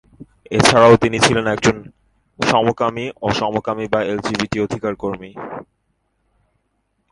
এছাড়াও তিনি ছিলেন একজন সমকামী ও সমকামী বা এলজিবিটি-অধিকার কর্মী।